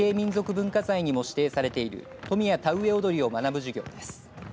文化財にも指定されている富谷田植踊りを学ぶ授業です。